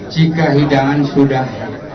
jika hidangan sudah